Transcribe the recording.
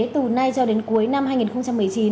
từ nay cho đến cuối năm hai nghìn một mươi chín